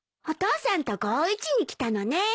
お父さんと碁を打ちに来たのね。